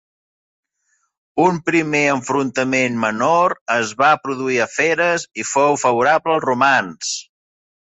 Un primer enfrontament menor es va produir a Feres, i fou favorable als romans.